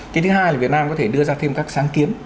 cái thứ hai là việt nam có thể đưa ra thêm các sáng kiến